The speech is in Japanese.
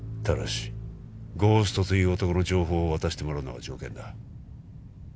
ただしゴーストという男の情報を渡してもらうのが条件だ